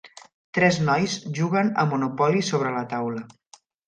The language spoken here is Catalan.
Tres nois juguen a Monopoly sobre la taula.